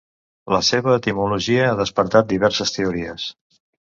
La seva etimologia ha despertat diverses teories.